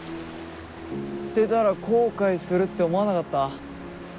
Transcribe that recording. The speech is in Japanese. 捨てたら後悔するって思わなかった？